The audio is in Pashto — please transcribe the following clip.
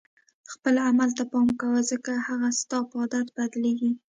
خپل عمل ته پام کوه ځکه هغه ستا په عادت بدلیږي.